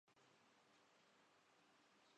بچوں کے انٹرنیٹ کے استعمال کا جائزہ لیا گیا